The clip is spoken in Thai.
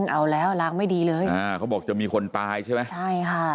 เอาแล้วล้างไม่ดีเลยอ่าเขาบอกจะมีคนตายใช่ไหมใช่ค่ะ